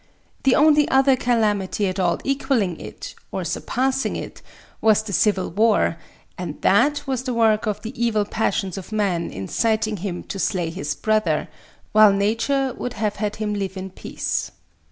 The only other calamity at all equalling it, or surpassing it, was the Civil War, and that was the work of the evil passions of man inciting him to slay his brother, while Nature would have had him live in peace.